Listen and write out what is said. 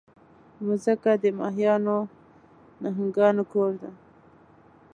مځکه د ماهیانو، نهنګانو کور ده.